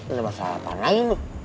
udah masalah apaan lagi lo